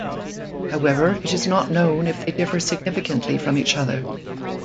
However, it is not known if they differ significantly from each other.